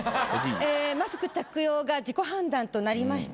マスク着用が自己判断となりました。